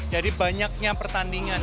jadi banyaknya pertandingan